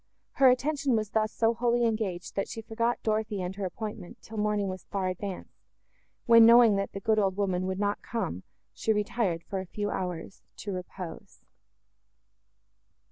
Her attention was thus so wholly engaged, that she forgot Dorothée and her appointment, till morning was far advanced, when, knowing that the good old woman would not come, she retired, for a few hours, to repose.